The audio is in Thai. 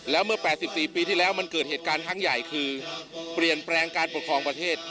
แล้วเมื่อ๘๔ปีที่แล้วมันเกิดเหตุการณ์ครั้งใหญ่คือเปลี่ยนแปลงการปกครองประเทศ